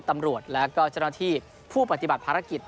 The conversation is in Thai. ตำรวจแล้วก็เจ้าหน้าที่ผู้ปฏิบัติภารกิจ